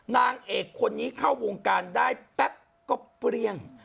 นางเอกคนนี้เข้าวงการได้แป๊บก็เปรี้ยง